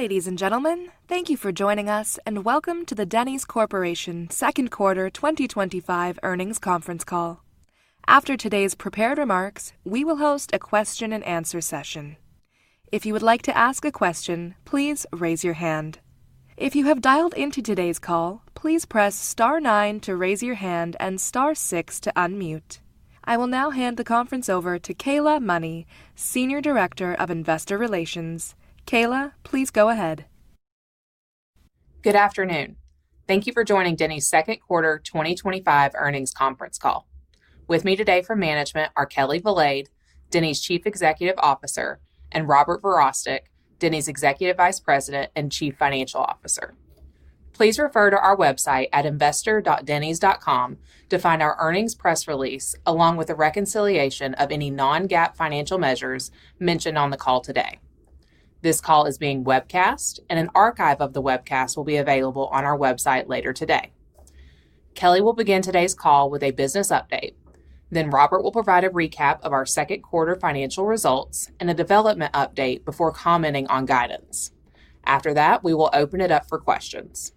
Ladies and gentlemen, thank you for joining us and welcome to the Denny's Corporation Second Quarter 2025 Earnings Conference Call. After today's prepared remarks, we will host a question-and-answer session. If you would like to ask a question, please raise your hand. If you have dialed into today's call, please press star nine to raise your hand and star six to unmute. I will now hand the conference over to Kayla Money, Senior Director of Investor Relations. Kayla, please go ahead. Good afternoon. Thank you for joining Denny's Second Quarter 2025 Earnings Conference Call. With me today from management are Kelli Valade, Denny's Chief Executive Officer, and Robert Verostek, Denny's Executive Vice President and Chief Financial Officer. Please refer to our website at investor.dennys.com to find our earnings press release along with the reconciliation of any non-GAAP financial measures mentioned on the call today. This call is being webcast, and an archive of the webcast will be available on our website later today. Kelli will begin today's call with a business update, then Robert will provide a recap of our second quarter financial results and a development update before commenting on guidance. After that, we will open it up for questions.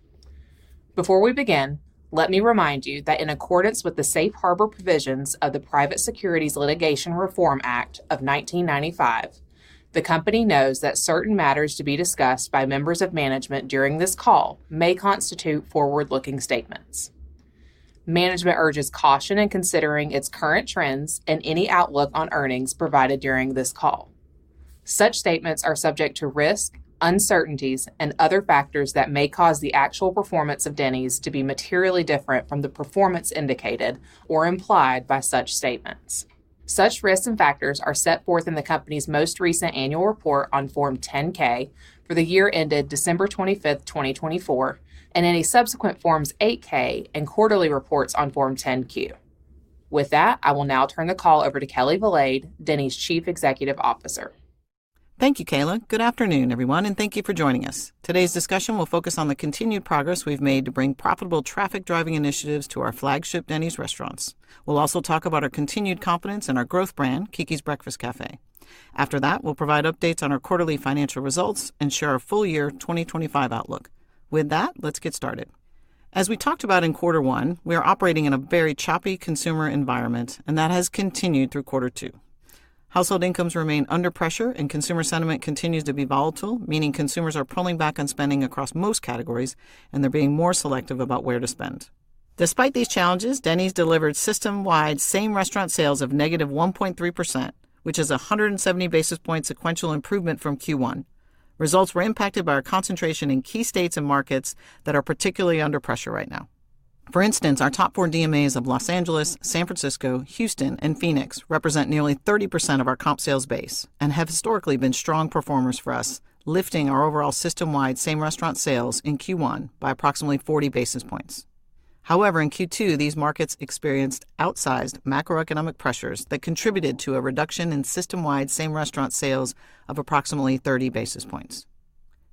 Before we begin, let me remind you that in accordance with the Safe Harbor provisions of the Private Securities Litigation Reform Act of 1995, the company notes that certain matters to be discussed by members of management during this call may constitute forward-looking statements. Management urges caution in considering its current trends and any outlook on earnings provided during this call. Such statements are subject to risk, uncertainties, and other factors that may cause the actual performance of Denny's to be materially different from the performance indicated or implied by such statements. Such risks and factors are set forth in the company's most recent annual report on Form 10-K for the year ended December 25, 2024, and any subsequent Forms 8-K and quarterly reports on Form 10-Q. With that, I will now turn the call over to Kelli Valade, Denny's Chief Executive Officer. Thank you, Kayla. Good afternoon, everyone, and thank you for joining us. Today's discussion will focus on the continued progress we've made to bring profitable traffic-driving initiatives to our flagship Denny's restaurants. We'll also talk about our continued confidence in our growth brand, Keke's Breakfast Cafe. After that, we'll provide updates on our quarterly financial results and share a full-year 2025 outlook. With that, let's get started. As we talked about in quarter one, we are operating in a very choppy consumer environment, and that has continued through quarter two. Household incomes remain under pressure, and consumer sentiment continues to be volatile, meaning consumers are pulling back on spending across most categories, and they're being more selective about where to spend. Despite these challenges, Denny's delivered system-wide same restaurant sales of -1.3%, which is a 170 basis point sequential improvement from Q1. Results were impacted by our concentration in key states and markets that are particularly under pressure right now. For instance, our top four DMAs of Los Angeles, San Francisco, Houston, and Phoenix represent nearly 30% of our comp sales base and have historically been strong performers for us, lifting our overall system-wide same restaurant sales in Q1 by approximately 40 basis points. However, in Q2, these markets experienced outsized macroeconomic pressures that contributed to a reduction in system-wide same restaurant sales of approximately 30 basis points.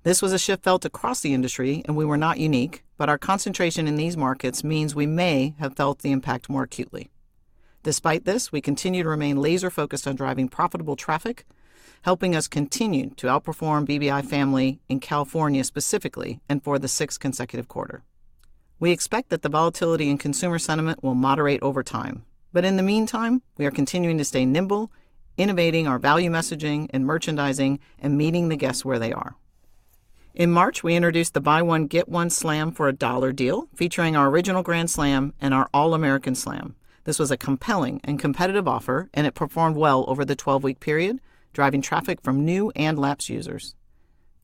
This was a shift felt across the industry, and we were not unique, but our concentration in these markets means we may have felt the impact more acutely. Despite this, we continue to remain laser-focused on driving profitable traffic, helping us continue to outperform BBI Family in California specifically and for the sixth consecutive quarter. We expect that the volatility in consumer sentiment will moderate over time, but in the meantime, we are continuing to stay nimble, innovating our value messaging and merchandising, and meeting the guests where they are. In March, we introduced the buy-one, get-one slam for a dollar deal, featuring our Original Grand Slam and our All-American Slam. This was a compelling and competitive offer, and it performed well over the 12-week period, driving traffic from new and lapsed users.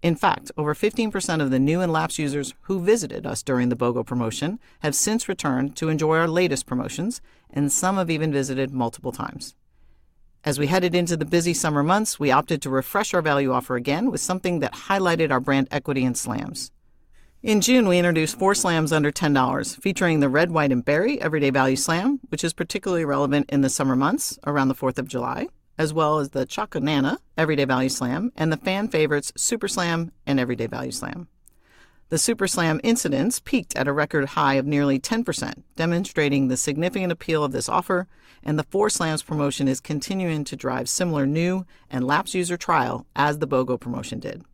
In fact, over 15% of the new and lapsed users who visited us during the BOGO promotion have since returned to enjoy our latest promotions, and some have even visited multiple times. As we headed into the busy summer months, we opted to refresh our value offer again with something that highlighted our brand equity in slams. In June, we introduced four slams under $10, featuring the Red, White, and Berry Everyday Value Slam, which is particularly relevant in the summer months around the 4th of July, as well as the Choconana Everyday Value Slam and the fan favorites Super Slam and Everyday Value Slam. The Super Slam incidents peaked at a record high of nearly 10%, demonstrating the significant appeal of this offer, and the four slams promotion is continuing to drive similar new and lapsed user trial as the BOGO promotion did.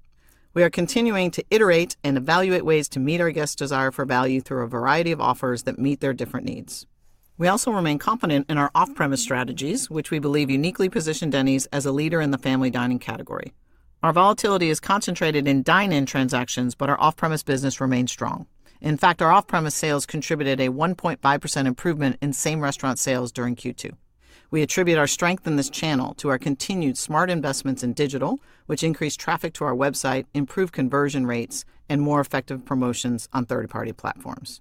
We are continuing to iterate and evaluate ways to meet our guests' desire for value through a variety of offers that meet their different needs. We also remain confident in our off-premise strategies, which we believe uniquely position Denny's as a leader in the family dining category. Our volatility is concentrated in dine-in transactions, but our off-premise business remains strong. In fact, our off-premise sales contributed a 1.5% improvement in same restaurant sales during Q2. We attribute our strength in this channel to our continued smart investments in digital, which increased traffic to our website, improved conversion rates, and more effective promotions on third-party platforms.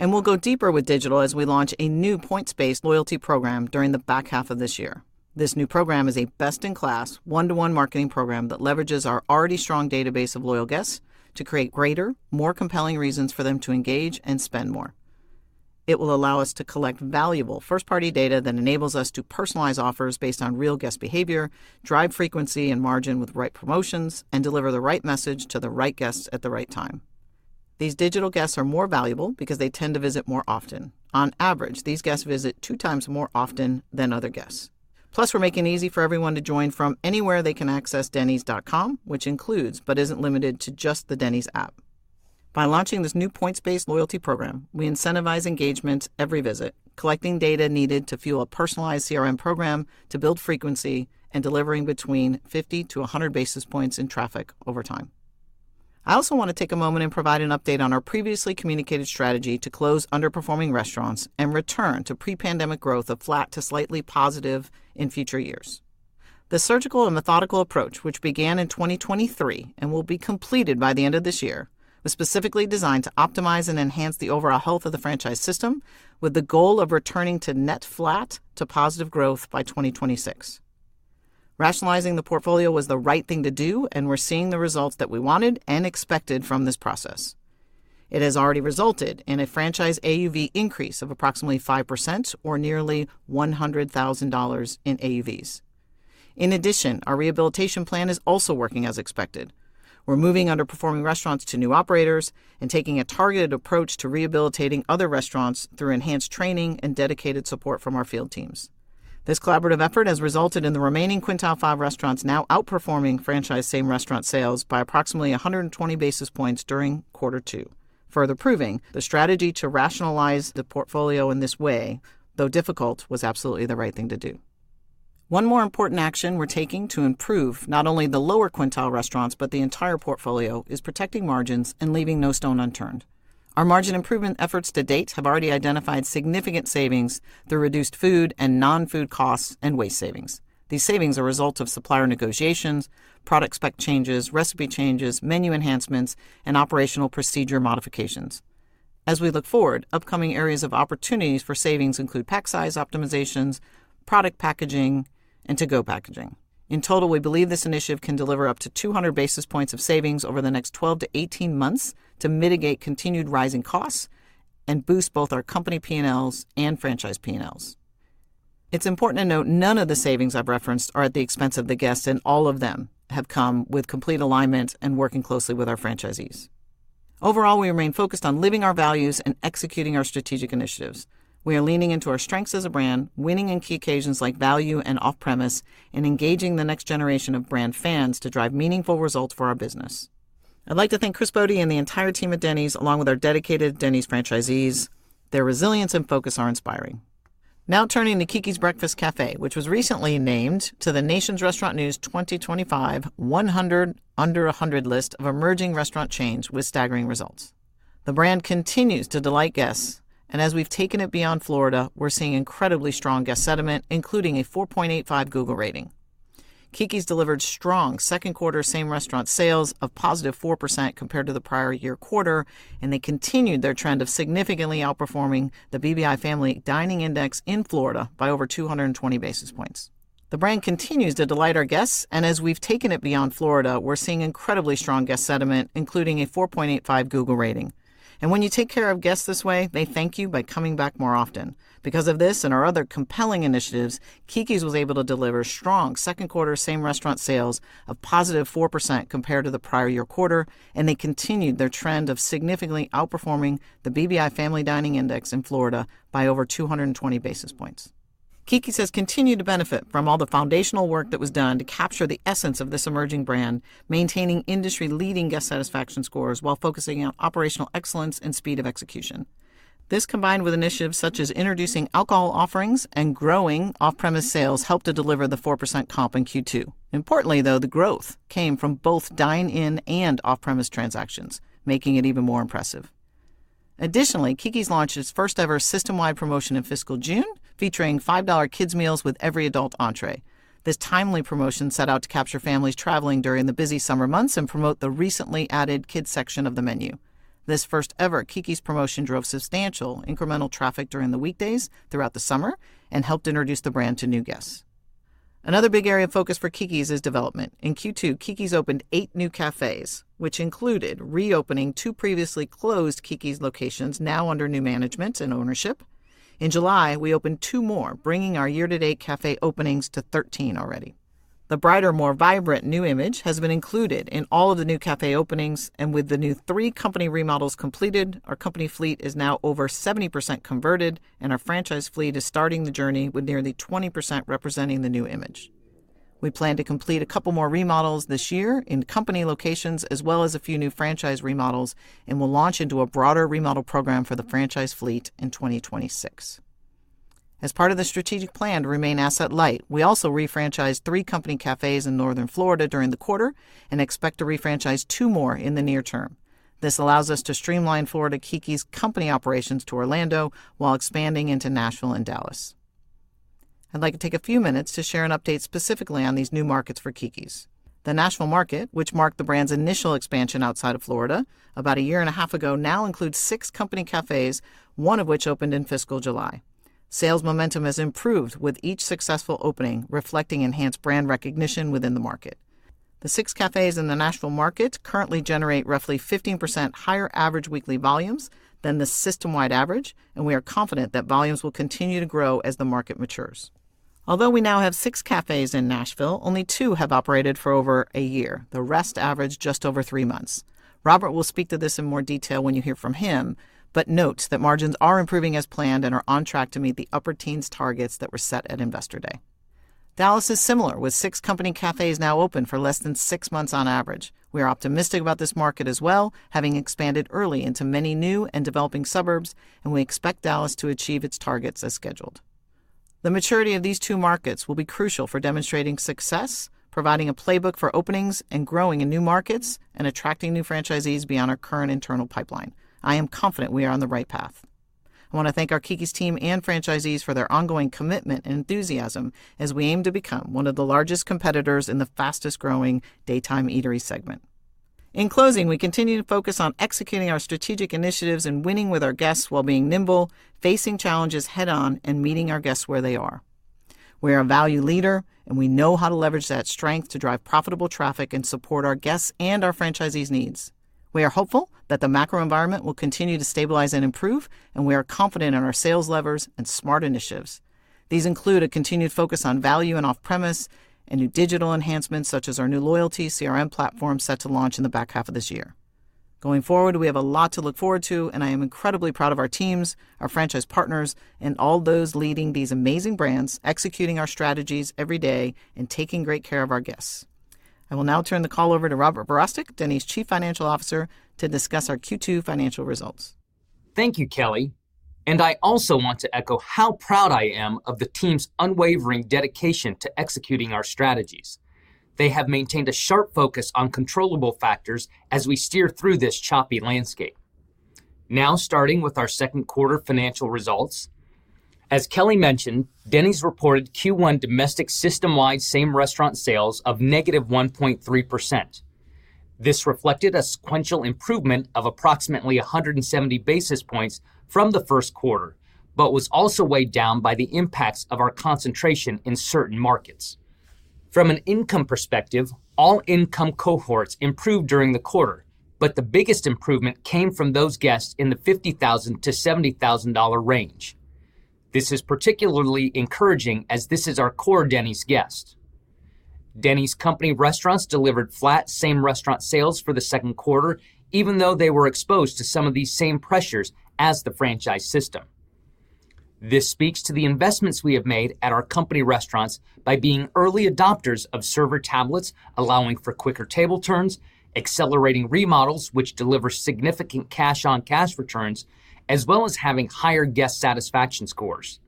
We will go deeper with digital as we launch a new points-based loyalty program during the back half of this year. This new program is a best-in-class one-to-one marketing program that leverages our already strong database of loyal guests to create greater, more compelling reasons for them to engage and spend more. It will allow us to collect valuable first-party data that enables us to personalize offers based on real guest behavior, drive frequency and margin with right promotions, and deliver the right message to the right guests at the right time. These digital guests are more valuable because they tend to visit more often. On average, these guests visit two times more often than other guests. Plus, we're making it easy for everyone to join from anywhere they can access dennys.com, which includes, but isn't limited to just the Denny's app. By launching this new points-based loyalty program, we incentivize engagement every visit, collecting data needed to fuel a personalized CRM program to build frequency and delivering between 50 basis points-100 basis points in traffic over time. I also want to take a moment and provide an update on our previously communicated strategy to close underperforming restaurants and return to pre-pandemic growth of flat to slightly positive in future years. The surgical and methodical approach, which began in 2023 and will be completed by the end of this year, was specifically designed to optimize and enhance the overall health of the franchise system, with the goal of returning to net flat to positive growth by 2026. Rationalizing the portfolio was the right thing to do, and we're seeing the results that we wanted and expected from this process. It has already resulted in a franchise AUV increase of approximately 5% or nearly $100,000 in AUVs. In addition, our rehabilitation plan is also working as expected. We're moving underperforming restaurants to new operators and taking a targeted approach to rehabilitating other restaurants through enhanced training and dedicated support from our field teams. This collaborative effort has resulted in the remaining quintile five restaurants now outperforming franchise same restaurant sales by approximately 120 basis points during quarter two, further proving the strategy to rationalize the portfolio in this way, though difficult, was absolutely the right thing to do. One more important action we're taking to improve not only the lower quintile restaurants, but the entire portfolio is protecting margins and leaving no stone unturned. Our margin improvement efforts to date have already identified significant savings through reduced food and non-food costs and waste savings. These savings are a result of supplier negotiations, product spec changes, recipe changes, menu enhancements, and operational procedure modifications. As we look forward, upcoming areas of opportunity for savings include pack size optimizations, product packaging, and to-go packaging. In total, we believe this initiative can deliver up to 200 basis points of savings over the next 12 months-18 months to mitigate continued rising costs and boost both our company P&Ls and franchise P&Ls. It's important to note none of the savings I've referenced are at the expense of the guests, and all of them have come with complete alignment and working closely with our franchisees. Overall, we remain focused on living our values and executing our strategic initiatives. We are leaning into our strengths as a brand, winning in key occasions like value and off-premise, and engaging the next generation of brand fans to drive meaningful results for our business. I'd like to thank Chris Bode and the entire team at Denny's, along with our dedicated Denny's franchisees. Their resilience and focus are inspiring. Now turning to Keke's Breakfast Cafe, which was recently named to the Nation's Restaurant News 2025 100 under 100 list of emerging restaurant chains with staggering results. The brand continues to delight guests, and as we've taken it beyond Florida, we're seeing incredibly strong guest sentiment, including a 4.85 Google rating. Keke's delivered strong second-quarter same-restaurant sales of positive 4% compared to the prior year quarter, and they continued their trend of significantly outperforming the BBI Family Dining Index in Florida by over 220 basis points. The brand continues to delight our guests, and as we've taken it beyond Florida, we're seeing incredibly strong guest sentiment, including a 4.85 Google rating. When you take care of guests this way, they thank you by coming back more often. Because of this and our other compelling initiatives, Keke's was able to deliver strong second quarter same restaurant sales of positive 4% compared to the prior year quarter, and they continued their trend of significantly outperforming the BBI Family Dining Index in Florida by over 220 basis points. Keke's has continued to benefit from all the foundational work that was done to capture the essence of this emerging brand, maintaining industry-leading guest satisfaction scores while focusing on operational excellence and speed of execution. This, combined with initiatives such as introducing alcohol offerings and growing off-premise sales, helped to deliver the 4% comp in Q2. Importantly, though, the growth came from both dine-in and off-premise transactions, making it even more impressive. Additionally, Keke's launched its first-ever system-wide promotion in fiscal June, featuring $5 kids' meals with every adult entree. This timely promotion set out to capture families traveling during the busy summer months and promote the recently added kids' section of the menu. This first-ever Keke's promotion drove substantial incremental traffic during the weekdays throughout the summer and helped introduce the brand to new guests. Another big area of focus for Keke's is development. In Q2, Keke's opened eight new cafes, which included reopening two previously closed Keke's locations now under new management and ownership. In July, we opened two more, bringing our year-to-date cafe openings to 13 already. The brighter, more vibrant new image has been included in all of the new cafe openings, and with the new three company remodels completed, our company fleet is now over 70% converted, and our franchise fleet is starting the journey with nearly 20% representing the new image. We plan to complete a couple more remodels this year in company locations, as well as a few new franchise remodels, and we'll launch into a broader remodel program for the franchise fleet in 2026. As part of the strategic plan to remain asset light, we also refranchised three company cafes in Northern Florida during the quarter and expect to refranchise two more in the near term. This allows us to streamline Florida Keke's company operations to Orlando while expanding into Nashville and Dallas. I'd like to take a few minutes to share an update specifically on these new markets for Keke's. The Nashville market, which marked the brand's initial expansion outside of Florida about a year and a half ago, now includes six company cafes, one of which opened in fiscal July. Sales momentum has improved with each successful opening, reflecting enhanced brand recognition within the market. The six cafes in the Nashville market currently generate roughly 15% higher average weekly volumes than the system-wide average, and we are confident that volumes will continue to grow as the market matures. Although we now have six cafes in Nashville, only two have operated for over a year; the rest average just over three months. Robert will speak to this in more detail when you hear from him, but note that margins are improving as planned and are on track to meet the upper teens targets that were set at Investor Day. Dallas is similar, with six company cafes now open for less than six months on average. We are optimistic about this market as well, having expanded early into many new and developing suburbs, and we expect Dallas to achieve its targets as scheduled. The maturity of these two markets will be crucial for demonstrating success, providing a playbook for openings and growing in new markets, and attracting new franchisees beyond our current internal pipeline. I am confident we are on the right path. I want to thank our Keke's team and franchisees for their ongoing commitment and enthusiasm as we aim to become one of the largest competitors in the fastest growing daytime eatery segment. In closing, we continue to focus on executing our strategic initiatives and winning with our guests while being nimble, facing challenges head-on, and meeting our guests where they are. We are a value leader, and we know how to leverage that strength to drive profitable traffic and support our guests and our franchisees' needs. We are hopeful that the macro environment will continue to stabilize and improve, and we are confident in our sales levers and smart initiatives. These include a continued focus on value and off-premise and new digital enhancements such as our new loyalty CRM platform set to launch in the back half of this year. Going forward, we have a lot to look forward to, and I am incredibly proud of our teams, our franchise partners, and all those leading these amazing brands, executing our strategies every day and taking great care of our guests. I will now turn the call over to Robert Verostek, Denny's Chief Financial Officer, to discuss our Q2 financial results. Thank you, Kelli. I also want to echo how proud I am of the team's unwavering dedication to executing our strategies. They have maintained a sharp focus on controllable factors as we steer through this choppy landscape. Now, starting with our second quarter financial results. As Kelli mentioned, Denny's reported Q1 domestic system-wide same restaurant sales of -1.3%. This reflected a sequential improvement of approximately 170 basis points from the first quarter, but was also weighed down by the impacts of our concentration in certain markets. From an income perspective, all income cohorts improved during the quarter, but the biggest improvement came from those guests in the $50,000-$70,000 range. This is particularly encouraging as this is our core Denny's guests. Denny's company restaurants delivered flat same restaurant sales for the second quarter, even though they were exposed to some of these same pressures as the franchise system. This speaks to the investments we have made at our company restaurants by being early adopters of server tablets, allowing for quicker table turns, accelerating remodels, which deliver significant cash-on-cash returns, as well as having higher guest satisfaction scores.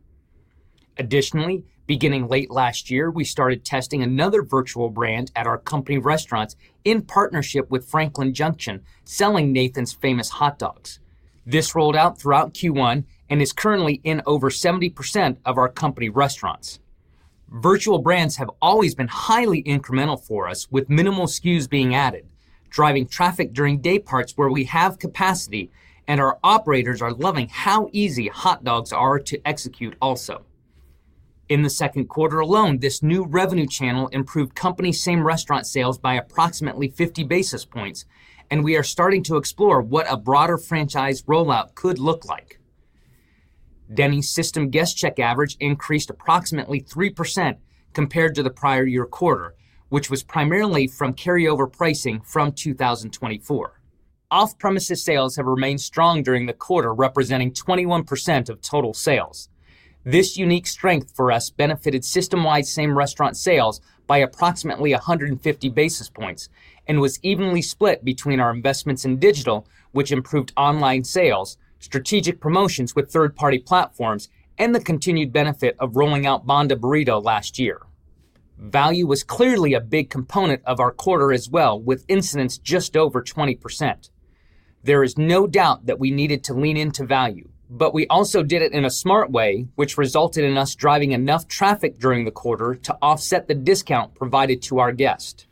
Additionally, beginning late last year, we started testing another virtual brand at our company restaurants in partnership with Franklin Junction, selling Nathan's Famous hot dogs. This rolled out throughout Q1 and is currently in over 70% of our company restaurants. Virtual brands have always been highly incremental for us, with minimal SKUs being added, driving traffic during day parts where we have capacity and our operators are loving how easy hot dogs are to execute also. In the second quarter alone, this new revenue channel improved company same restaurant sales by approximately 50 basis points, and we are starting to explore what a broader franchise rollout could look like. Denny's system guest check average increased approximately 3% compared to the prior year quarter, which was primarily from carryover pricing from 2024. Off-premise sales have remained strong during the quarter, representing 21% of total sales. This unique strength for us benefited system-wide same restaurant sales by approximately 150 basis points and was evenly split between our investments in digital, which improved online sales, strategic promotions with third-party platforms, and the continued benefit of rolling out Banda Burrito last year. Value was clearly a big component of our quarter as well, with incidents just over 20%. There is no doubt that we needed to lean into value, but we also did it in a smart way, which resulted in us driving enough traffic during the quarter to offset the discount provided to our guest.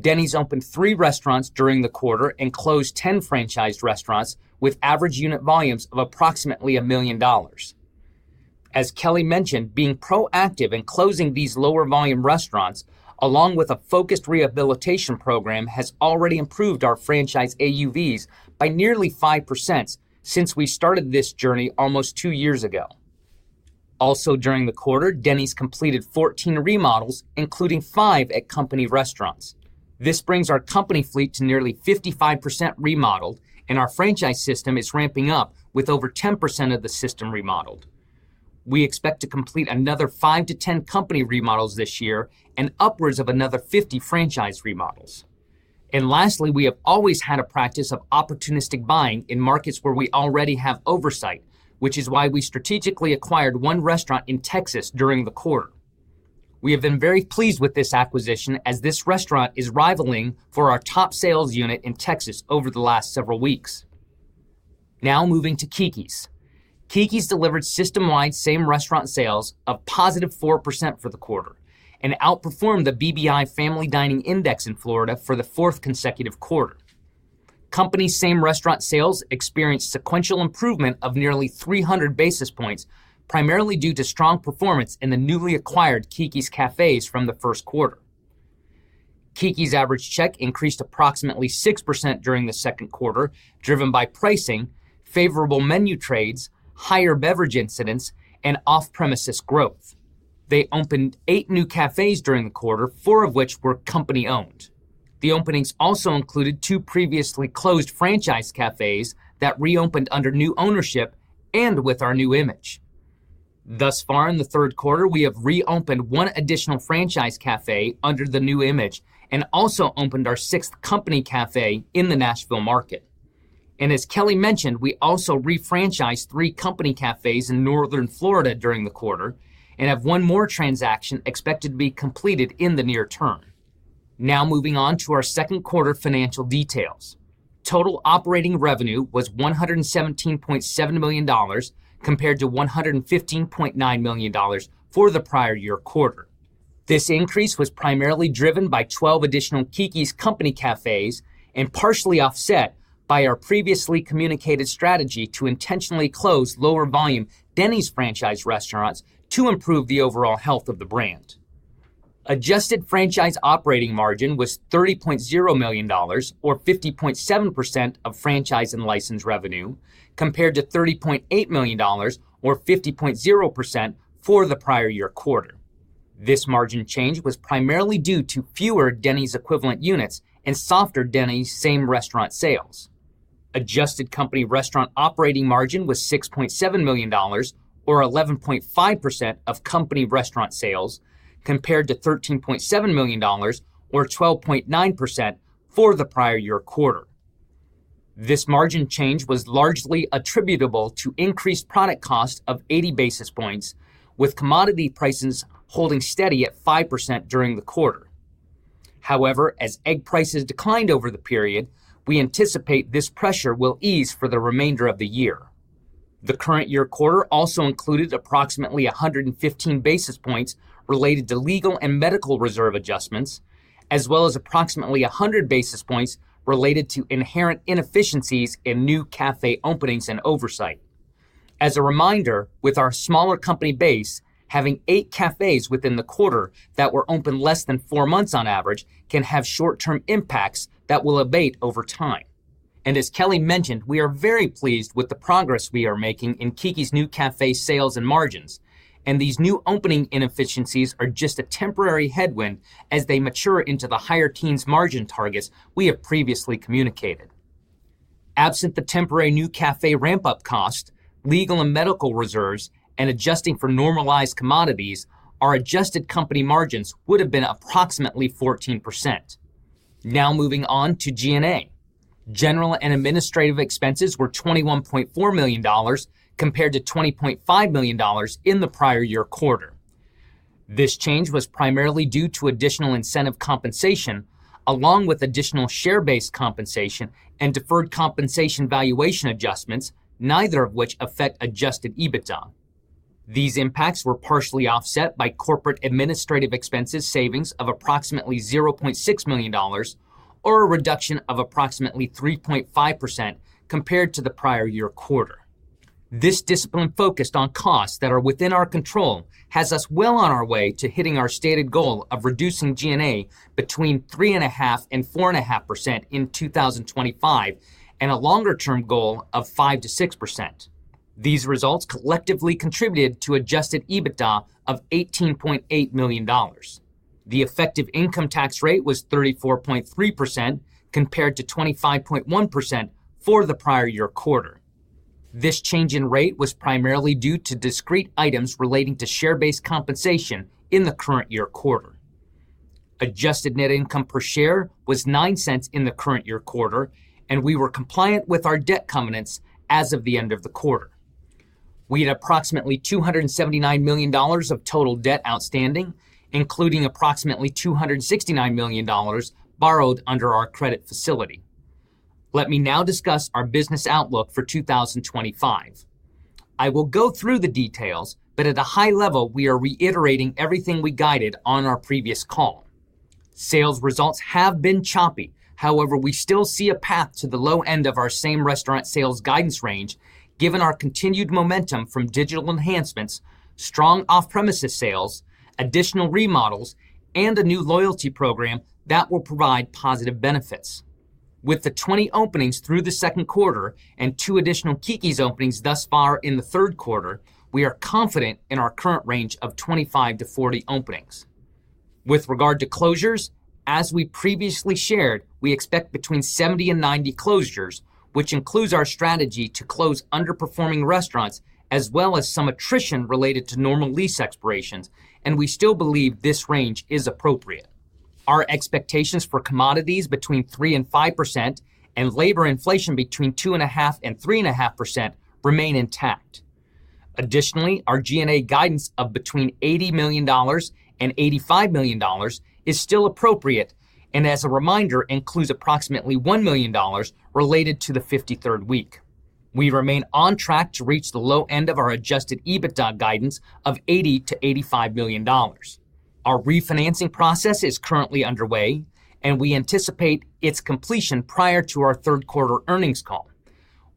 Denny's opened three restaurants during the quarter and closed 10 franchise restaurants with average unit volumes of approximately $1 million. As Kelli mentioned, being proactive in closing these lower volume restaurants, along with a focused rehabilitation program, has already improved our franchise AUVs by nearly 5% since we started this journey almost two years ago. Also during the quarter, Denny's completed 14 remodels, including five at company restaurants. This brings our company fleet to nearly 55% remodeled, and our franchise system is ramping up with over 10% of the system remodeled. We expect to complete another 5 company-10 company remodels this year and upwards of another 50 franchise remodels. We have always had a practice of opportunistic buying in markets where we already have oversight, which is why we strategically acquired one restaurant in Texas during the quarter. We have been very pleased with this acquisition as this restaurant is rivaling for our top sales unit in Texas over the last several weeks. Now moving to Keke's. Keke's delivered system-wide same restaurant sales of +4% for the quarter and outperformed the BBI Family Dining Index in Florida for the fourth consecutive quarter. Company same restaurant sales experienced sequential improvement of nearly 300 basis points, primarily due to strong performance in the newly acquired Keke's Cafes from the first quarter. Keke's average check increased approximately 6% during the second quarter, driven by pricing, favorable menu trades, higher beverage incidents, and off-premise growth. They opened eight new cafes during the quarter, four of which were company-owned. The openings also included two previously closed franchise cafes that reopened under new ownership and with our new image. Thus far, in the third quarter, we have reopened one additional franchise cafe under the new image and also opened our sixth company cafe in the Nashville market. As Kelli mentioned, we also refranchised three company cafes in Northern Florida during the quarter and have one more transaction expected to be completed in the near term. Now moving on to our second quarter financial details. Total operating revenue was $117.7 million compared to $115.9 million for the prior year quarter. This increase was primarily driven by 12 additional Keke's Company Cafes and partially offset by our previously communicated strategy to intentionally close lower-volume Denny's franchise restaurants to improve the overall health of the brand. Adjusted franchise operating margin was $30.0 million or 50.7% of franchise and license revenue compared to $30.8 million or 50.0% for the prior year quarter. This margin change was primarily due to fewer Denny's equivalent units and softer Denny's same restaurant sales. Adjusted Company Restaurant operating margin was $6.7 million or 11.5% of company restaurant sales compared to $13.7 million or 12.9% for the prior year quarter. This margin change was largely attributable to increased product costs of 80 basis points, with commodity prices holding steady at 5% during the quarter. However, as egg prices declined over the period, we anticipate this pressure will ease for the remainder of the year. The current year quarter also included approximately 115 basis points related to legal and medical reserve adjustments, as well as approximately 100 basis points related to inherent inefficiencies in new cafe openings and oversight. As a reminder, with our smaller company base having eight cafes within the quarter that were open less than four months on average can have short-term impacts that will abate over time. As Kelli mentioned, we are very pleased with the progress we are making in Keke's new cafe sales and margins, and these new opening inefficiencies are just a temporary headwind as they mature into the higher teens margin targets we have previously communicated. Absent the temporary new cafe ramp-up costs, legal and medical reserves, and adjusting for normalized commodities, our adjusted company margins would have been approximately 14%. Now moving on to G&A. General and administrative expenses were $21.4 million compared to $20.5 million in the prior year quarter. This change was primarily due to additional incentive compensation, along with additional share-based compensation and deferred compensation valuation adjustments, neither of which affect adjusted EBITDA. These impacts were partially offset by corporate administrative expenses savings of approximately $0.6 million, or a reduction of approximately 3.5% compared to the prior year quarter. This discipline focused on costs that are within our control has us well on our way to hitting our stated goal of reducing G&A between 3.5% and 4.5% in 2025 and a longer-term goal of 5%-6%. These results collectively contributed to adjusted EBITDA of $18.8 million. The effective income tax rate was 34.3% compared to 25.1% for the prior year quarter. This change in rate was primarily due to discrete items relating to share-based compensation in the current year quarter. Adjusted net income per share was $0.09 in the current year quarter, and we were compliant with our debt covenants as of the end of the quarter. We had approximately $279 million of total debt outstanding, including approximately $269 million borrowed under our credit facility. Let me now discuss our business outlook for 2025. I will go through the details, but at a high level, we are reiterating everything we guided on our previous call. Sales results have been choppy; however, we still see a path to the low end of our same restaurant sales guidance range, given our continued momentum from digital enhancements, strong off-premise sales, additional remodels, and a new loyalty program that will provide positive benefits. With the 20 openings through the second quarter and two additional Keke's openings thus far in the third quarter, we are confident in our current range of 25 openings-40 openings. With regard to closures, as we previously shared, we expect between 70 closures and 90 closures, which includes our strategy to close underperforming restaurants as well as some attrition related to normal lease expirations, and we still believe this range is appropriate. Our expectations for commodities between 3% and 5% and labor inflation between 2.5% and 3.5% remain intact. Additionally, our G&A guidance of between $80 million and $85 million is still appropriate, and as a reminder, includes approximately $1 million related to the 53rd week. We remain on track to reach the low end of our adjusted EBITDA guidance of $80 million-$85 million. Our refinancing process is currently underway, and we anticipate its completion prior to our third quarter earnings call.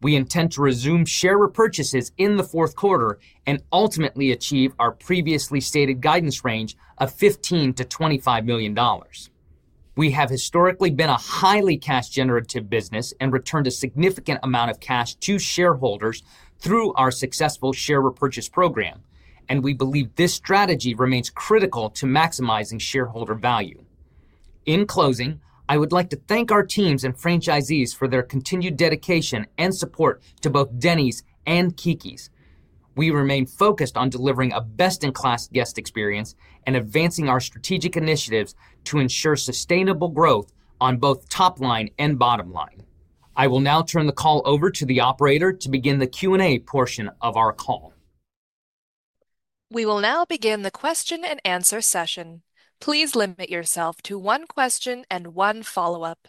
We intend to resume share repurchases in the fourth quarter and ultimately achieve our previously stated guidance range of $15 million-$25 million. We have historically been a highly cash-generative business and returned a significant amount of cash to shareholders through our successful share repurchase program, and we believe this strategy remains critical to maximizing shareholder value. In closing, I would like to thank our teams and franchisees for their continued dedication and support to both Denny's and Keke's. We remain focused on delivering a best-in-class guest experience and advancing our strategic initiatives to ensure sustainable growth on both top line and bottom line. I will now turn the call over to the operator to begin the Q&A portion of our call. We will now begin the question and answer session. Please limit yourself to one question and one follow-up.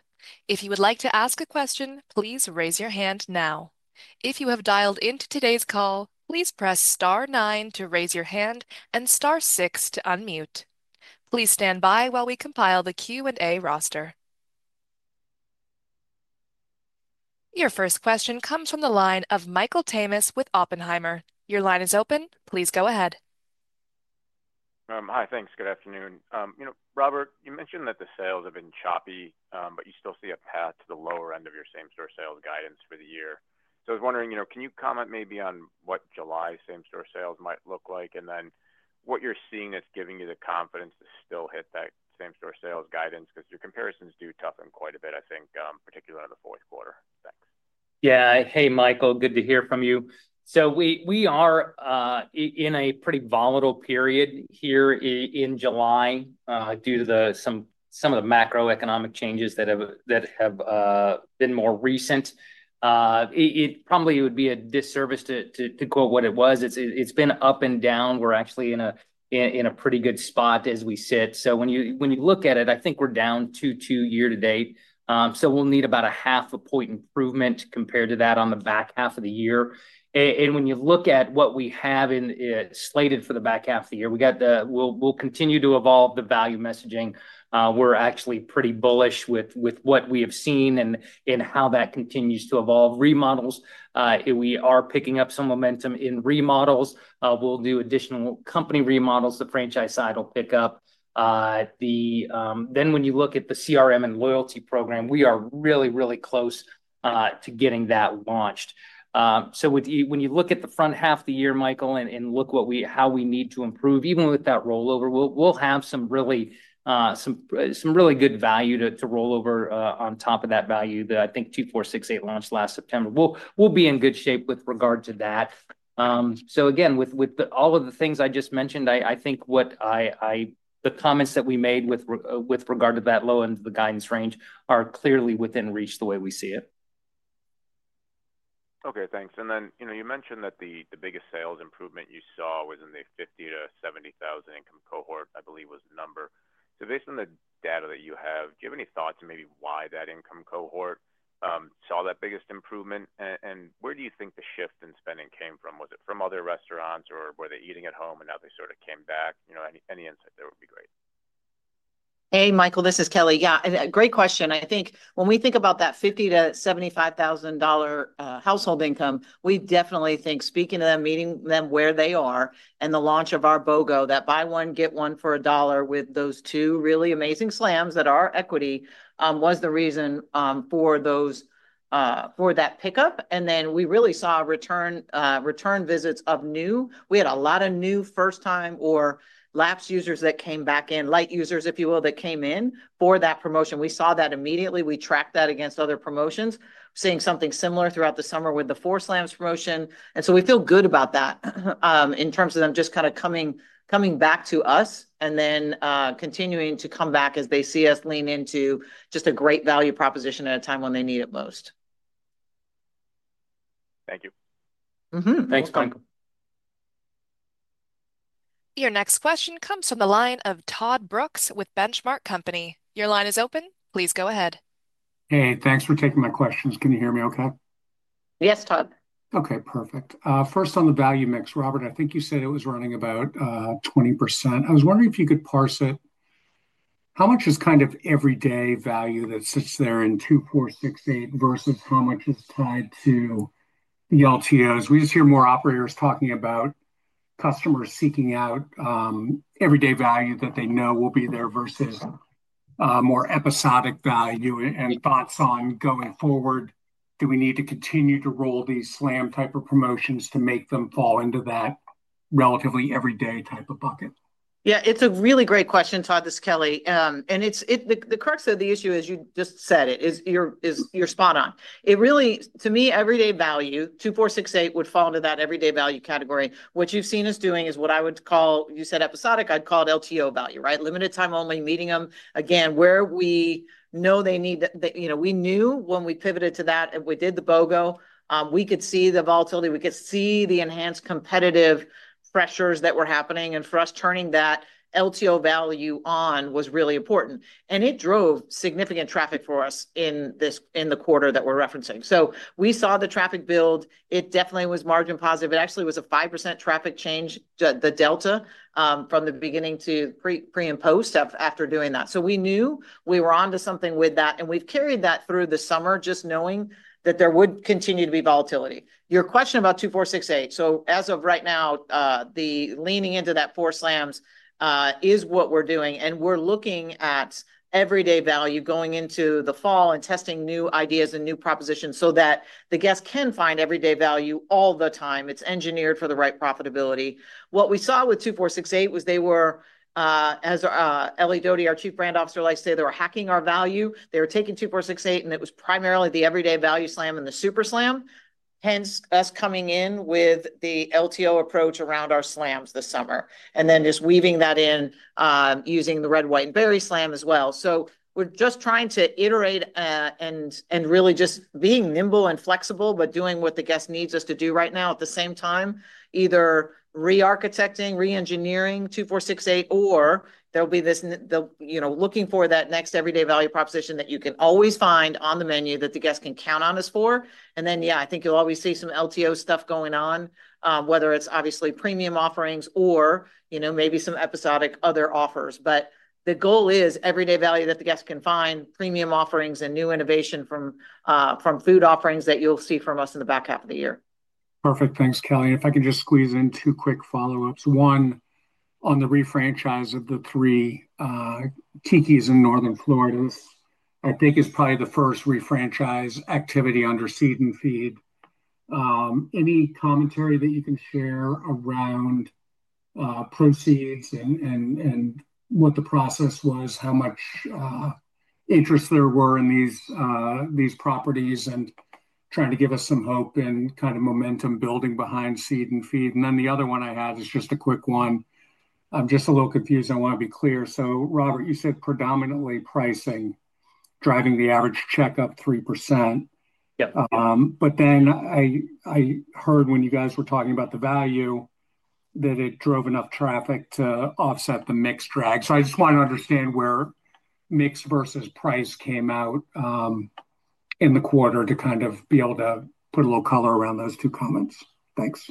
If you would like to ask a question, please raise your hand now. If you have dialed into today's call, please press star nine to raise your hand and star six to unmute. Please stand by while we compile the Q&A roster. Your first question comes from the line of Michael Tamas with Oppenheimer. Your line is open. Please go ahead. Hi, thanks. Good afternoon. Robert, you mentioned that the sales have been choppy, but you still see a path to the lower end of your same-store sales guidance for the year. I was wondering, can you comment maybe on what July same-store sales might look like and what you're seeing that's giving you the confidence to still hit that same-store sales guidance because your comparisons do toughen quite a bit, I think, particularly on the fourth quarter. Yeah, hey Michael, good to hear from you. We are in a pretty volatile period here in July due to some of the macroeconomic changes that have been more recent. It probably would be a disservice to quote what it was. It's been up and down. We're actually in a pretty good spot as we sit. When you look at it, I think we're down 2% to date. We'll need about a half a point improvement compared to that on the back half of the year. When you look at what we have slated for the back half of the year, we'll continue to evolve the value messaging. We're actually pretty bullish with what we have seen and how that continues to evolve. Remodels, we are picking up some momentum in remodels. We'll do additional company remodels. The franchise side will pick up. When you look at the CRM and loyalty program, we are really, really close to getting that launched. When you look at the front half of the year, Michael, and look at how we need to improve, even with that rollover, we'll have some really good value to rollover on top of that value that I think $2 $4 $6 $8 launched last September. We'll be in good shape with regard to that. With all of the things I just mentioned, I think the comments that we made with regard to that low end of the guidance range are clearly within reach the way we see it. Okay, thanks. You mentioned that the biggest sales improvement you saw was in the $50,000-$70,000 income cohort, I believe was the number. Based on the data that you have, do you have any thoughts on maybe why that income cohort saw that biggest improvement? Where do you think the shift in spending came from? Was it from other restaurants or were they eating at home and now they sort of came back? Any insight there would be great. Hey Michael, this is Kelli. Yeah, great question. I think when we think about that $50,000-$75,000 household income, we definitely think speaking to them, meeting them where they are, and the launch of our BOGO, that buy-one, get-one slam for a dollar with those two really amazing slams that are equity, was the reason for that pickup. We really saw return visits of new. We had a lot of new first-time or lapsed users that came back in, light users, if you will, that came in for that promotion. We saw that immediately. We tracked that against other promotions, seeing something similar throughout the summer with the four slams promotion. We feel good about that in terms of them just kind of coming back to us and then continuing to come back as they see us lean into just a great value proposition at a time when they need it most. Thank you. Thanks, Michael. Your next question comes from the line of Todd Brooks with Benchmark Company. Your line is open. Please go ahead. Hey, thanks for taking my questions. Can you hear me okay? Yes, Todd. Okay, perfect. First on the value mix, Robert, I think you said it was running about 20%. I was wondering if you could parse it. How much is kind of everyday value that sits there in $2 $4 $6 $8 versus how much is tied to the LTOs? We just hear more operators talking about customers seeking out everyday value that they know will be there versus more episodic value, and thoughts on going forward. Do we need to continue to roll these slam type of promotions to make them fall into that relatively everyday type of bucket? Yeah, it's a really great question, Todd. This is Kelli. The crux of the issue, as you just said it, is you're spot on. It really, to me, everyday value, $2 $4 $6 $8 would fall into that everyday value category. What you've seen us doing is what I would call, you said episodic, I'd call it LTO value, right? Limited time only, meeting them again, where we know they need that. We knew when we pivoted to that and we did the BOGO, we could see the volatility, we could see the enhanced competitive pressures that were happening, and for us turning that LTO value on was really important. It drove significant traffic for us in the quarter that we're referencing. We saw the traffic build. It definitely was margin positive. It actually was a 5% traffic change, the delta from the beginning to pre and post after doing that. We knew we were onto something with that, and we've carried that through the summer just knowing that there would continue to be volatility. Your question about $2 $4 $6 $8, as of right now, the leaning into that four slams is what we're doing, and we're looking at everyday value going into the fall and testing new ideas and new propositions so that the guests can find everyday value all the time. It's engineered for the right profitability. What we saw with $2 $4 $6 $8 was they were, as Ellie Doty, our Chief Brand Officer, likes to say, they were hacking our value. They were taking $2 $4 $6 $8, and it was primarily the everyday value slam and the super slam. Hence us coming in with the LTO approach around our slams this summer, and then just weaving that in using the Red, White, and Berry slam as well. We're just trying to iterate and really just being nimble and flexible, but doing what the guest needs us to do right now at the same time, either re-architecting, re-engineering $2 $4 $6 $8, or there'll be this, you know, looking for that next everyday value proposition that you can always find on the menu that the guest can count on us for. I think you'll always see some LTO stuff going on, whether it's obviously premium offerings or maybe some episodic other offers. The goal is everyday value that the guest can find, premium offerings, and new innovation from food offerings that you'll see from us in the back half of the year. Perfect, thanks Kelli. If I can just squeeze in two quick follow-ups. One, on the refranchise of the three Keke's in Northern Florida, I think is probably the first refranchise activity under Seed and Feed. Any commentary that you can share around proceeds and what the process was, how much interest there was in these properties, and trying to give us some hope in kind of momentum building behind Seed and Feed? The other one I have is just a quick one. I'm just a little confused. I want to be clear. So Robert, you said predominantly pricing driving the average check up 3%. Yep. I heard when you guys were talking about the value that it drove enough traffic to offset the mix drag. I just want to understand where mix versus price came out in the quarter to kind of be able to put a little color around those two comments. Thanks.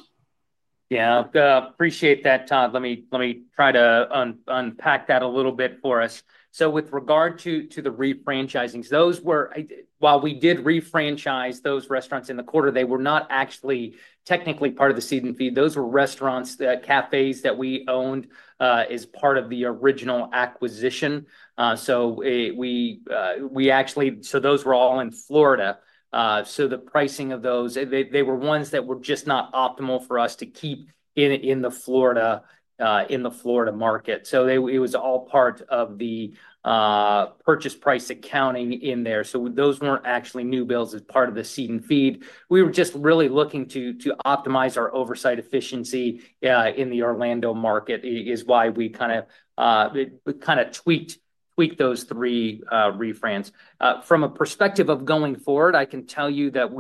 Yeah, I appreciate that, Todd. Let me try to unpack that a little bit for us. With regard to the refranchisings, those were, while we did refranchise those restaurants in the quarter, they were not actually technically part of the Seed and Feed. Those were restaurants, cafes that we owned as part of the original acquisition. Those were all in Florida. The pricing of those, they were ones that were just not optimal for us to keep in the Florida market. It was all part of the purchase price accounting in there. Those weren't actually new builds as part of the Seed and Feed. We were just really looking to optimize our oversight efficiency in the Orlando market, which is why we kind of tweaked those three reframes. From a perspective of going forward, I can tell you that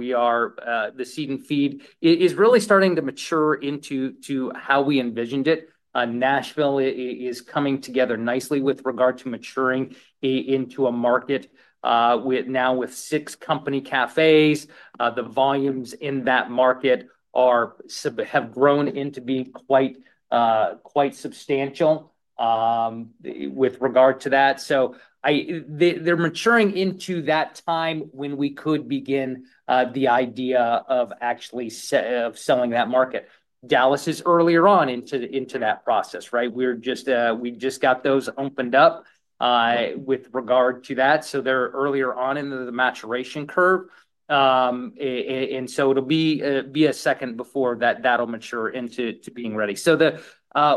the Seed and Feed is really starting to mature into how we envisioned it. Nashville is coming together nicely with regard to maturing into a market now with six company cafes. The volumes in that market have grown into being quite substantial with regard to that. They're maturing into that time when we could begin the idea of actually selling that market. Dallas is earlier on into that process, right? We just got those opened up with regard to that. They're earlier on in the maturation curve, and it will be a second before that'll mature into being ready.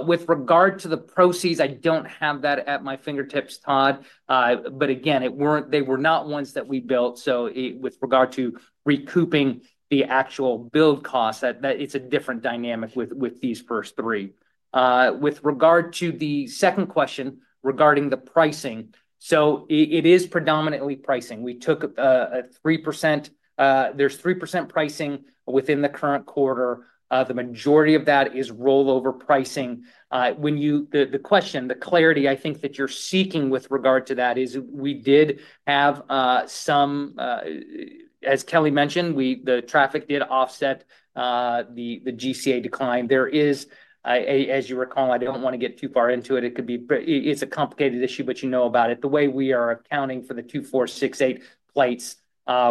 With regard to the proceeds, I don't have that at my fingertips, Todd. Again, they were not ones that we built. With regard to recouping the actual build costs, it's a different dynamic with these first three. With regard to the second question regarding the pricing, it is predominantly pricing. We took a 3%—there's 3% pricing within the current quarter. The majority of that is rollover pricing. The question, the clarity, I think that you're seeking with regard to that is we did have some, as Kelli mentioned, the traffic did offset the GCA decline. As you recall, I don't want to get too far into it. It could be, it's a complicated issue, but you know about it. The way we are accounting for the $2 $4 $6 $8 flights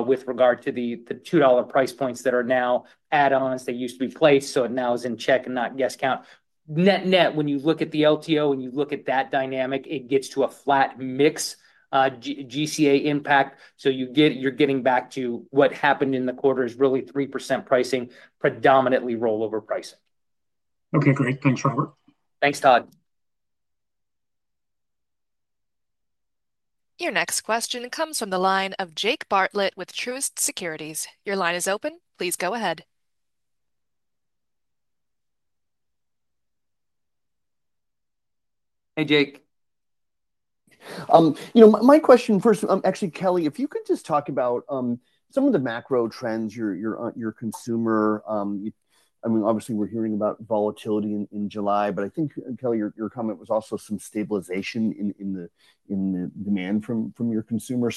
with regard to the $2 price points that are now add-ons, they used to be placed, so it now is in check and not guest count. Net net, when you look at the LTO, when you look at that dynamic, it gets to a flat mix GCA impact. You're getting back to what happened in the quarter is really 3% pricing, predominantly rollover pricing. Okay, great. Thanks, Robert. Thanks, Todd. Your next question comes from the line of Jake Bartlett with Truist Securities. Your line is open. Please go ahead. Hey, Jake. You know. My question first, actually, Kelli, if you could just talk about some of the macro trends your consumer, I mean, obviously we're hearing about volatility in July, but I think, Kelli, your comment was also some stabilization in the demand from your consumer.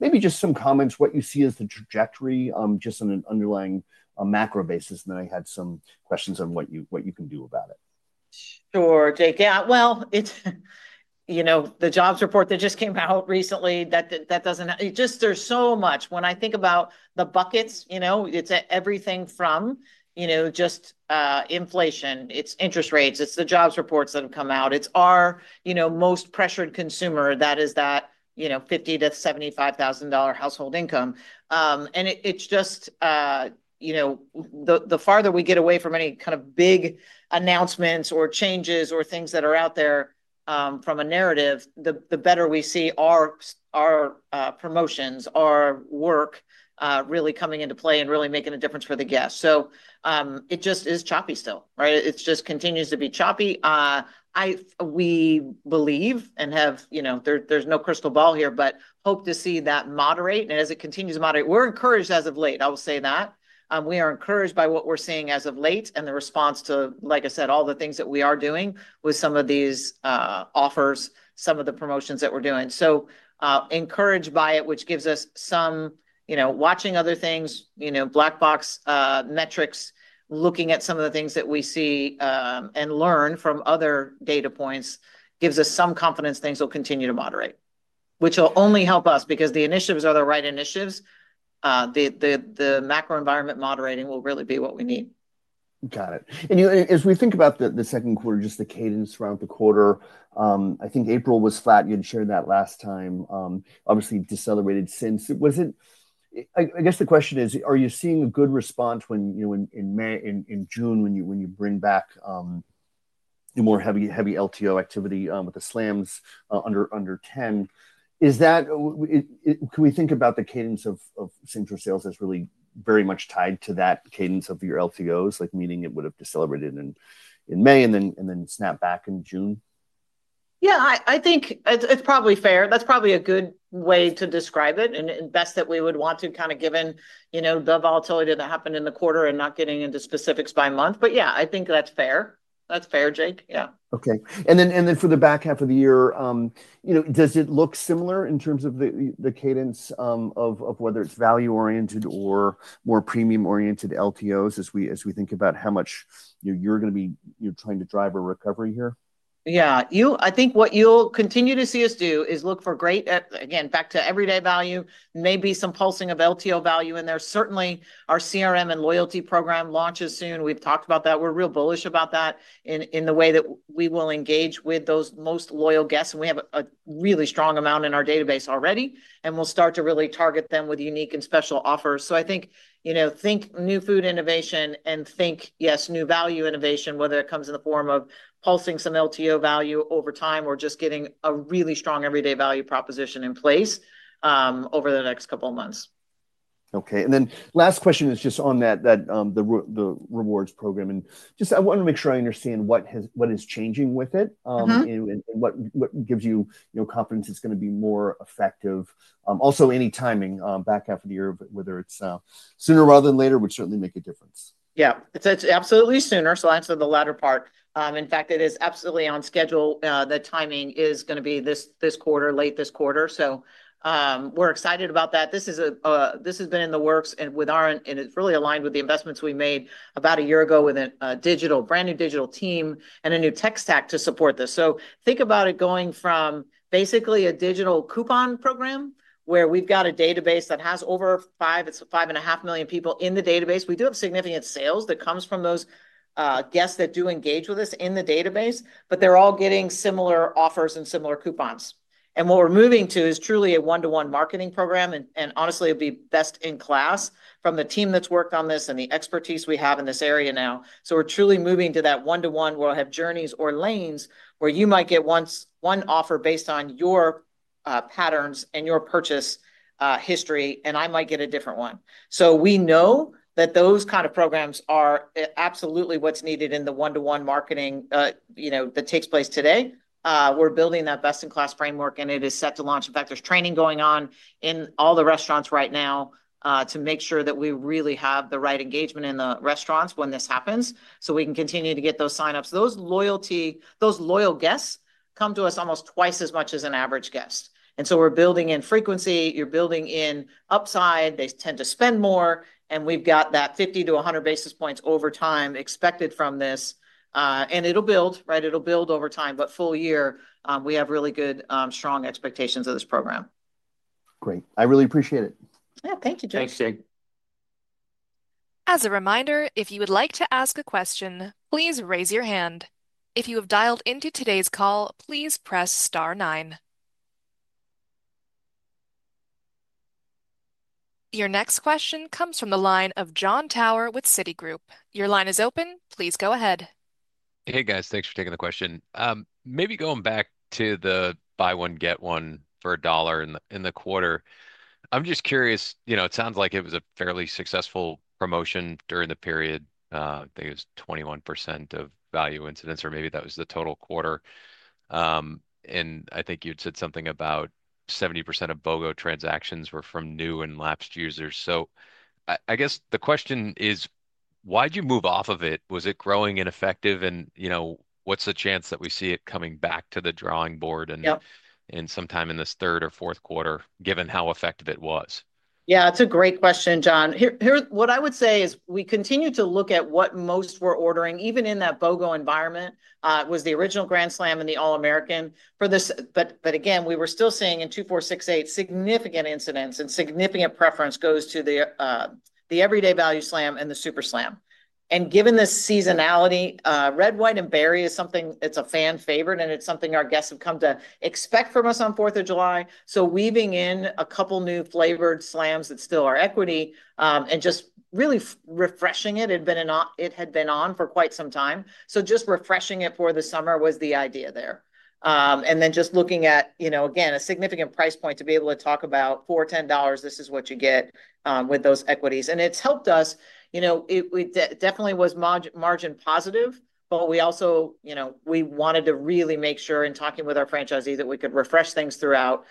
Maybe just some comments, what you see as the trajectory just on an underlying macro basis, and then I had some questions on what you can do about it. Sure, Jake. The jobs report that just came out recently, there's so much. When I think about the buckets, it's everything from inflation, it's interest rates, it's the jobs reports that have come out, it's our most pressured consumer, that is that $50,00-$75,000 household income. The farther we get away from any kind of big announcements or changes or things that are out there from a narrative, the better we see our promotions, our work really coming into play and really making a difference for the guests. It just is choppy still, right? It just continues to be choppy. We believe and have, there's no crystal ball here, but hope to see that moderate, and as it continues to moderate, we're encouraged as of late, I will say that. We are encouraged by what we're seeing as of late and the response to, like I said, all the things that we are doing with some of these offers, some of the promotions that we're doing. Encouraged by it, which gives us some, watching other things, black box metrics, looking at some of the things that we see and learn from other data points gives us some confidence things will continue to moderate, which will only help us because the initiatives are the right initiatives. The macro environment moderating will really be what we need. Got it. As we think about the second quarter, just the cadence throughout the quarter, I think April was flat. You had shared that last time. Obviously, you've decelerated since. Was it, I guess the question is, are you seeing a good response when, you know, in May, in June, when you bring back the more heavy LTO activity with the four slams under $10? Is that, can we think about the cadence of same restaurant sales that's really very much tied to that cadence of your LTOs, like meaning it would have decelerated in May and then snapped back in June? Yeah, I think it's probably fair. That's probably a good way to describe it and best that we would want to, given the volatility that happened in the quarter and not getting into specifics by month. Yeah, I think that's fair. That's fair, Jake. Yeah. For the back half of the year, does it look similar in terms of the cadence of whether it's value-oriented or more premium-oriented LTOs as we think about how much you're going to be, you're trying to drive a recovery here? I think what you'll continue to see us do is look for great, again, back to everyday value, maybe some pulsing of LTO value in there. Certainly, our CRM and loyalty program launches soon. We've talked about that. We're real bullish about that in the way that we will engage with those most loyal guests. We have a really strong amount in our database already, and we'll start to really target them with unique and special offers. I think, you know, think new food innovation and think, yes, new value innovation, whether it comes in the form of pulsing some LTO value over time or just getting a really strong everyday value proposition in place over the next couple of months. Okay. Last question is just on that, the rewards program. I want to make sure I understand what is changing with it and what gives you confidence it's going to be more effective. Also, any timing back half of the year, whether it's sooner rather than later, would certainly make a difference. Yeah, it's absolutely sooner. I have to the latter part. In fact, it is absolutely on schedule. The timing is going to be this quarter, late this quarter. We're excited about that. This has been in the works and it's really aligned with the investments we made about a year ago with a brand new digital team and a new tech stack to support this. Think about it going from basically a digital coupon program where we've got a database that has over 5 million, it's 5.5 million people in the database. We do have significant sales that come from those guests that do engage with us in the database, but they're all getting similar offers and similar coupons. What we're moving to is truly a one-to-one marketing program. Honestly, it would be best in class from the team that's worked on this and the expertise we have in this area now. We're truly moving to that one-to-one where we'll have journeys or lanes where you might get one offer based on your patterns and your purchase history, and I might get a different one. We know that those kinds of programs are absolutely what's needed in the one-to-one marketing that takes place today. We're building that best-in-class framework, and it is set to launch. In fact, there's training going on in all the restaurants right now to make sure that we really have the right engagement in the restaurants when this happens. We can continue to get those signups. Those loyal guests come to us almost twice as much as an average guest. We're building in frequency. You're building in upside. They tend to spend more. We've got that 50 basis points-100 basis points over time expected from this. It'll build, right? It'll build over time, but full year, we have really good, strong expectations of this program. Great, I really appreciate it. Yeah, thank you, Jake. Thanks, Jake. As a reminder, if you would like to ask a question, please raise your hand. If you have dialed into today's call, please press star nine. Your next question comes from the line of Jon Tower with Citigroup. Your line is open. Please go ahead. Hey guys, thanks for taking the question. Maybe going back to the buy-one, get-one slam for a dollar in the quarter. I'm just curious, you know, it sounds like it was a fairly successful promotion during the period. I think it was 21% of value incidents, or maybe that was the total quarter. I think you'd said something about 70% of BOGO transactions were from new and lapsed users. I guess the question is, why'd you move off of it? Was it growing ineffective? What's the chance that we see it coming back to the drawing board sometime in this third or fourth quarter, given how effective it was? Yeah, it's a great question, Joh. Here's what I would say is we continue to look at what most were ordering, even in that BOGO environment, was the original Grand Slam and the All-American. We were still seeing in $2 $4 $6 $8 significant incidents and significant preference goes to the everyday value slam and the super slam. Given this seasonality, Red, White, and Berry is something that's a fan favorite, and it's something our guests have come to expect from us on 4th of July. Weaving in a couple new flavored slams that still are equity and just really refreshing it. It had been on for quite some time. Just refreshing it for the summer was the idea there. Looking at, you know, again, a significant price point to be able to talk about $4.10. This is what you get with those equities. It's helped us, you know, it definitely was margin positive, but we also, you know, we wanted to really make sure in talking with our franchisees that we could refresh things throughout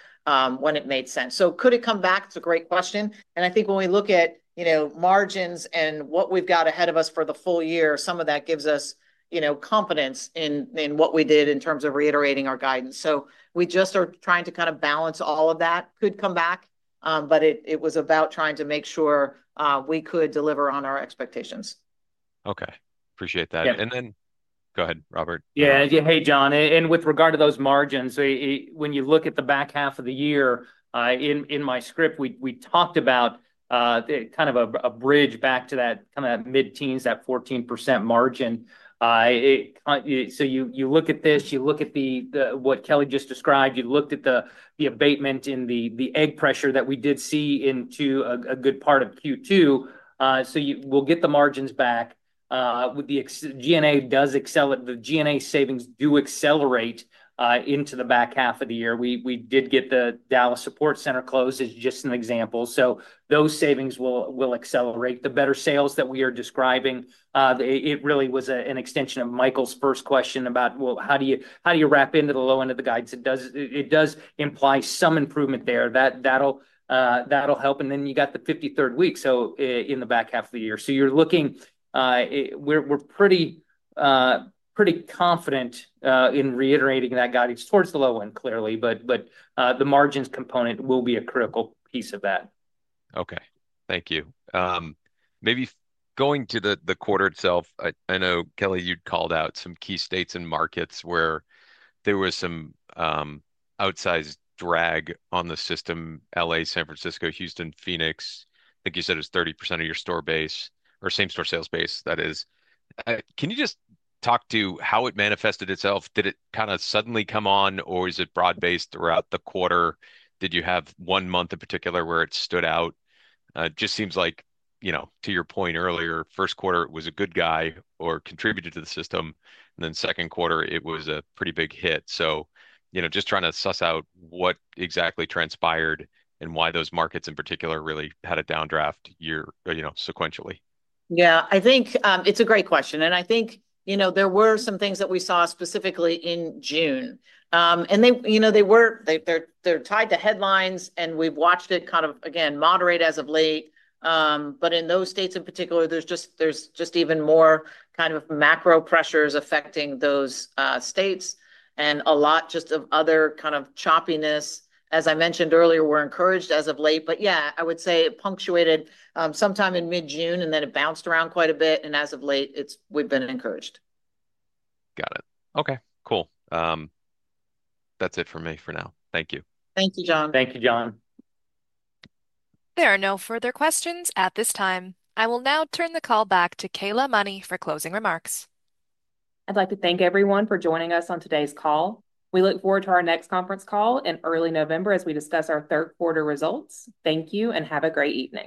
when it made sense. Could it come back? It's a great question. I think when we look at, you know, margins and what we've got ahead of us for the full year, some of that gives us, you know, confidence in what we did in terms of reiterating our guidance. We just are trying to kind of balance all of that. Could come back, but it was about trying to make sure we could deliver on our expectations. Okay, appreciate that. Go ahead, Robert. Yeah, hey Jon, and with regard to those margins, when you look at the back half of the year, in my script, we talked about kind of a bridge back to that kind of that mid-teens, that 14% margin. You look at this, you look at what Kelli just described, you looked at the abatement in the egg pressure that we did see into a good part of Q2. We'll get the margins back. G&A does excel at the G&A savings do accelerate into the back half of the year. We did get the Dallas Support Center closed, just an example. Those savings will accelerate. The better sales that we are describing, it really was an extension of Michael's first question about, well, how do you wrap into the low end of the guidance? It does imply some improvement there. That'll help. You got the 53rd week in the back half of the year, so you're looking, we're pretty confident in reiterating that guidance towards the low end clearly, but the margins component will be a critical piece of that. Okay, thank you. Maybe going to the quarter itself, I know Kelli, you'd called out some key states and markets where there was some outsized drag on the system. Los Angeles, San Francisco, Houston, Phoenix, I think you said it was 30% of your store base, or same restaurant sales base, that is. Can you just talk to how it manifested itself? Did it kind of suddenly come on, or is it broad-based throughout the quarter? Did you have one month in particular where it stood out? It just seems like, you know, to your point earlier, first quarter it was a good guy or contributed to the system, and then second quarter it was a pretty big hit. Just trying to suss out what exactly transpired and why those markets in particular really had a downdraft year, you know, sequentially. Yeah, I think it's a great question. I think there were some things that we saw specifically in June, and they're tied to headlines. We've watched it kind of moderate as of late. In those states in particular, there's just even more kind of macro pressures affecting those states, and a lot of other kind of choppiness, as I mentioned earlier. We're encouraged as of late. I would say it punctuated sometime in mid-June, and then it bounced around quite a bit. As of late, we've been encouraged. Got it. Okay, cool. That's it for me for now. Thank you. Thank you, Jon. Thank you, Jon. There are no further questions at this time. I will now turn the call back to Kayla Money for closing remarks. I'd like to thank everyone for joining us on today's call. We look forward to our next conference call in early November as we discuss our third quarter results. Thank you and have a great evening.